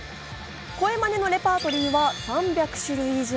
声まねのレパートリーは３００種類以上。